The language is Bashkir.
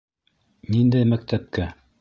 Ниндәй мәктәпкә?